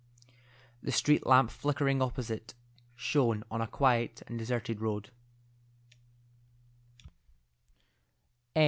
The street lamp flickering opposite shone on a quiet and deserted road.